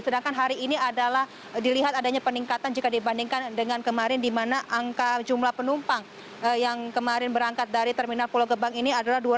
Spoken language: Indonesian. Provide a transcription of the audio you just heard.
sedangkan hari ini adalah dilihat adanya peningkatan jika dibandingkan dengan kemarin di mana angka jumlah penumpang yang kemarin berangkat dari terminal pulau gebang ini adalah dua ratus